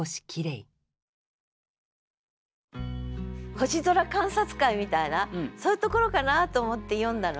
星空観察会みたいなそういうところかなと思って読んだのね。